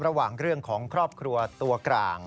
ระหว่างเรื่องของครอบครัวตัวกลาง